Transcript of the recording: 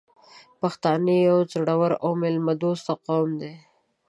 پښتانه یو زړور او میلمه دوست قوم دی .